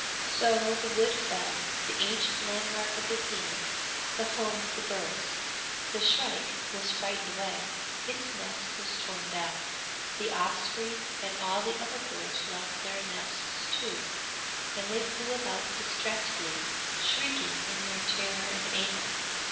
So the wood fell, the ancient landmark of the seaman, the home of the birds. The shrike was frightened away; its nest was torn down; the osprey and all the other birds lost their nests too, and they flew about distractedly, shrieking in their terror and anger.